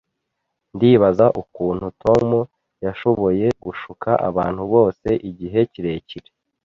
Ndibaza ukuntu Tom yashoboye gushuka abantu bose igihe kirekire.